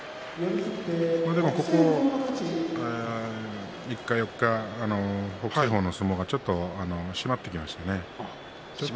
ここ３日、４日北青鵬の相撲がちょっと締まってきましたね。